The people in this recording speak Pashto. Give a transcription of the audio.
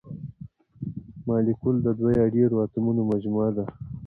مالیکول د دوه یا ډیرو اتومونو مجموعه ده.